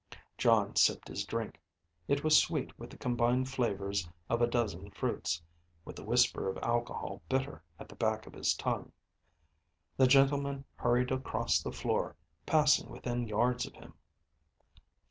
Jon sipped his drink. It was sweet with the combined flavors of a dozen fruits, with the whisper of alcohol bitter at the back of his tongue. The gentleman hurried across the floor, passing within yards of him.